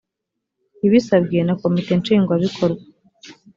ibisabwe na komite nshingwabikorwa